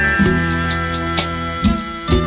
มีความรู้สึกว่ามีความรู้สึกว่ามีความรู้สึกว่า